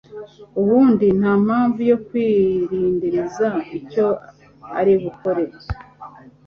ubundi ntampamvu yo kwirindiriza icyo uri bukore